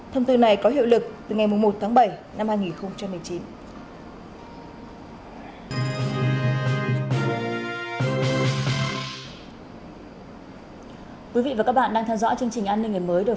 thông tư này có hiệu lực từ ngày một tháng bảy năm hai nghìn một mươi chín